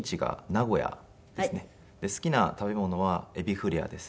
好きな食べ物はエビフリャーです。